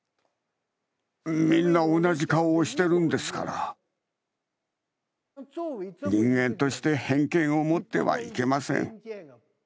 皆、同じ顔をしているんですから、人間として偏見を持ってはいけません。